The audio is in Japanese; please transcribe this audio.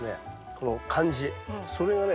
この感じそれがね